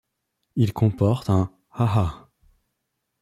Il comporte un ha-ha.